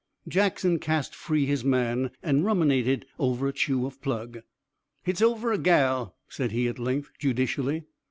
Jackson cast free his man and ruminated over a chew of plug. "Hit's over a gal," said he at length, judicially.